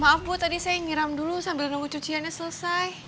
maaf bu tadi saya nyiram dulu sambil nunggu cuciannya selesai